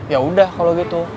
yaudah kalo gitu